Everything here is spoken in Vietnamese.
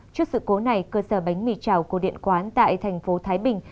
trước sự cố này cơ sở bánh mì trào của điện quán tại thành phố thái bình